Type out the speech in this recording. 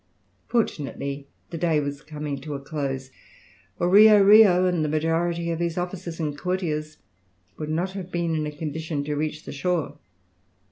Fortunately the day was coming to a close, or Rio Rio and the majority of his officers and courtiers would not have been in a condition to reach the shore.